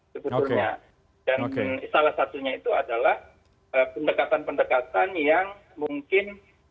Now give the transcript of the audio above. dan salah satunya itu adalah pendekatan pendekatan yang mungkin